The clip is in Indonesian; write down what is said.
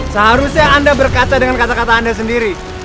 seharusnya anda berkata dengan kata kata anda sendiri